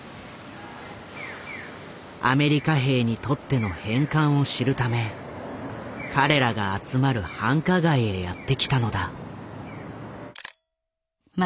アメリカ兵にとっての返還を知るため彼らが集まる繁華街へやって来たのだ。